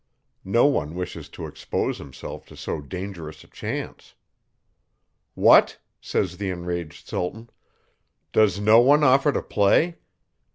No one wishes to expose himself to so dangerous a chance. What! says the enraged Sultan, _does no one offer to play?